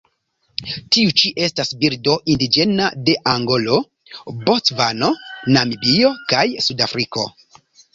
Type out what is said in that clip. Tiu ĉi estas birdo indiĝena de Angolo, Bocvano, Namibio kaj Sudafriko.